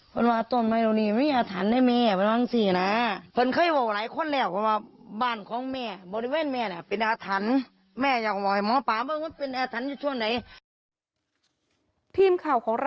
พิมข่าวของคุณยายละมุน